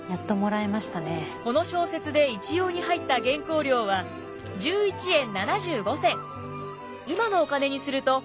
この小説で一葉に入った原稿料は１１円７５銭。